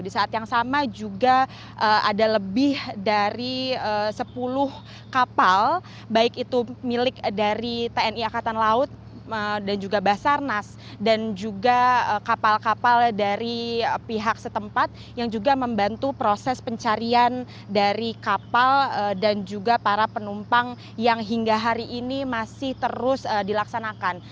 di saat yang sama juga ada lebih dari sepuluh kapal baik itu milik dari tni akatan laut dan juga basarnas dan juga kapal kapal dari pihak setempat yang juga membantu proses pencarian dari kapal dan juga para penumpang yang hingga hari ini masih terus dilaksanakan